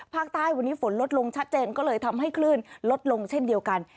ภาคใต้วันนี้ฝนลดลงชัดเจนก็เลยทำให้คลื่นลดลงเช่นเดียวกัน